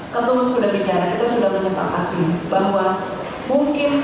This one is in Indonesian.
ketua sudah bicara kita sudah menyebabkan bahwa mungkin kita tidak akan mengikuti jejak mereka